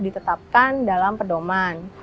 ditetapkan dalam perdoman